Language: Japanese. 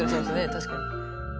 確かに。